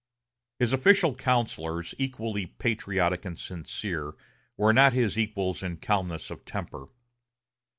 His official counselors, equally patriotic and sincere, were not his equals in calmness of temper.